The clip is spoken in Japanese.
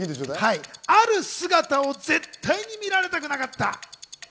ある姿を絶対に見られたくなかった。